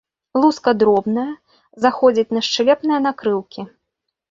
Луска дробная, заходзіць на шчэлепныя накрыўкі.